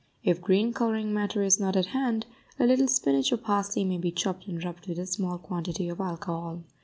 If green coloring matter is not at hand, a little spinach or parsley may be chopped and rubbed with a small quantity of alcohol.